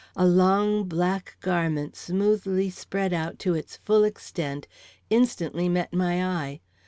A long, black garment, smoothly spread out to its full extent, instantly met my eye.